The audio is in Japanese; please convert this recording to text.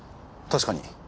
確かに。